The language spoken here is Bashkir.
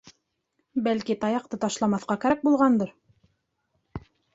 — Бәлки, таяҡты ташламаҫҡа кәрәк булғандыр?